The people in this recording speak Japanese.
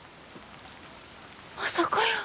まさかやー。